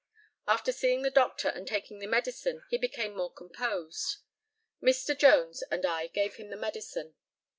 After seeing the doctor and taking the medicine he became more composed. Mr. Jones and I gave him the medicine.